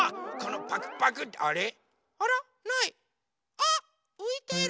あっういてる！